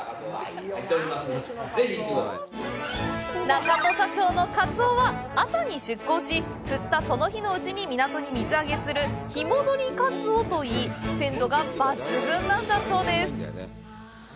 中土佐町のカツオは、朝に出港し、釣ったその日のうちに港に水揚げする日戻りカツオといい鮮度が抜群なんだそうです。